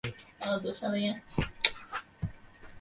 এই সম্প্রজ্ঞাত সমাধিতে প্রকৃতিকে বশীভূত করিবার সমুদয় শক্তি আসে।